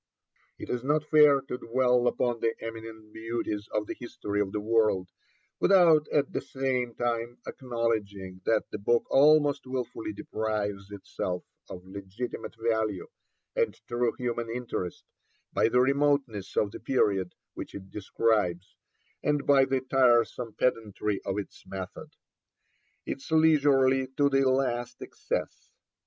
It is not fair to dwell upon the eminent beauties of the History of the World without at the same time acknowledging that the book almost wilfully deprives itself of legitimate value and true human interest by the remoteness of the period which it describes, and by the tiresome pedantry of its method. It is leisurely to the last excess.